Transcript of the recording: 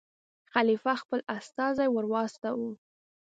خلیفه خپل استازی ور واستاوه.